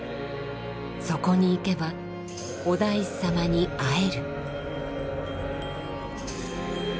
そこに行けばお大師様に会える。